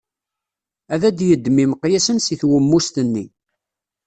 Ad d-yeddem imeqyasen seg twemmust-nni.